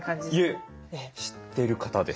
いえ知ってる方です。